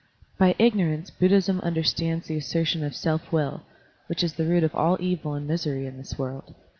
*' By ignorance Buddhism understands the asser tion of self will, which is the root of all evil and misery in this world.